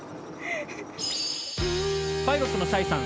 パイロットの蔡さん